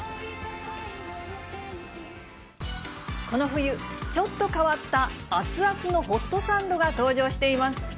この冬、ちょっと変わった熱々のホットサンドが登場しています。